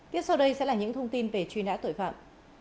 tiếp sau đây sẽ là những thông tin về truy nã tội phạm